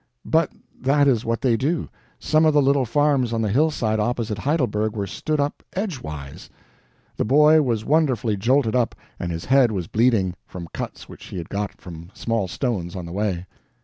But that is what they do. Some of the little farms on the hillside opposite Heidelberg were stood up "edgeways." The boy was wonderfully jolted up, and his head was bleeding, from cuts which it had got from small stones on the way.